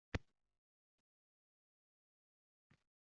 Ular qalblarini yozadilar